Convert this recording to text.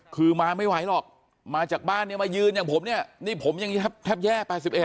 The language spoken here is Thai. คือมาไม่ไหวหรอกมาจากบ้านเนี่ยมายืนอย่างผมเนี่ยนี่ผมยังแทบแย่๘๑